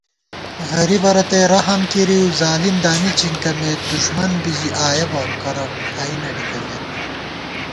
غریبہ رتئ رحم کېرِؤظالِم دامی چِنکَمېت * دُݭمن بی زی آیَہ بہ کرہ کھائی نہ ڈِکَمېت